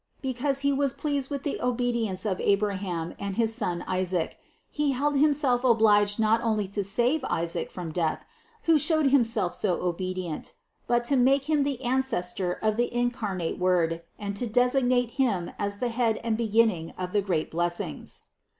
Because He 354 CITY OF GOD was pleased with the obedience of Abraham and his son Isaac, He held Himself obliged not only to save Isaac from death, who showed himself so obedient, but to make him the ancestor of the incarnate Word and to designate him as the head and beginning of the great blessings.